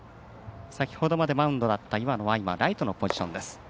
先ほどまでマウンドだった岩野はライトのポジションです。